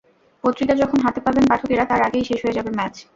পত্রিকা যখন হাতে পাবেন পাঠকেরা, তার আগেই শেষ হয়ে যাবে ম্যাচ।